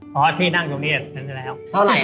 พอพี่นั่งตรงนี้ตะะบีนั่งออกจริง